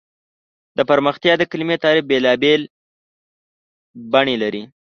د پرمختیا د کلیمې تعریف بېلابېل بڼې لري.